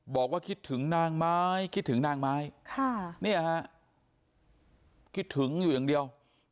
บอกว่าคิดถึงนางไม้คิดถึงนางไม้คิดถึงอยู่อย่างเดียว